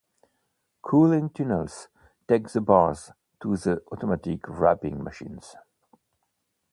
Cooling tunnels take the bars to the automatic wrapping machines.